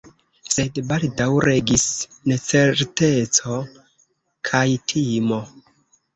Sed baldaŭ regis necerteco kaj timo.